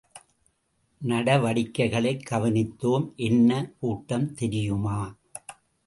நடவடிக்கைகளைக் கவனித்தோம் என்ன கூட்டம் தெரியுமா?